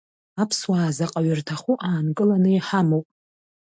Аԥсуаа заҟаҩ рҭаху аанкыланы иҳамоуп.